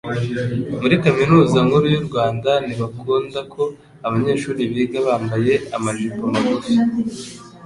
muri kaminuza nkuru y’urwanda ntibakundako abanyeshuri biga bambaye amajipo magufi